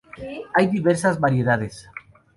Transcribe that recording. Hay diversas variedades.